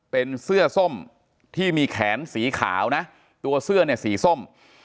เป็นเสื้อส้มที่มีแขนสีขาวนะตัวเสื้อเนี่ยสีส้ม